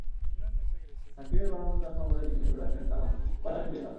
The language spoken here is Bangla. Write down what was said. সাকিবের বানানো চশমা পরে দিব্যি তিনি ঘুরে বেড়াচ্ছিলেন কারওয়ান বাজারের ভিড়ের রাস্তায়।